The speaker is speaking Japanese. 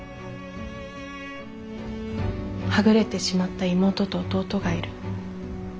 「はぐれてしまった妹と弟がいる。